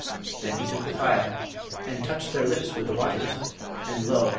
Then he took the phial, and touched their lips with the waters, and lo!